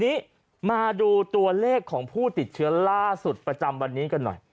ทีนี้มาดูตัวเลขของผู้ติดเชื้อล่าสุดประจำวันนี้กันหน่อย